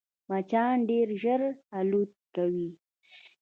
مچان ډېر ژر الوت کوي